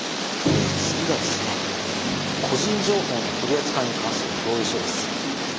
え次がですね個人情報の取り扱いに関する同意書です。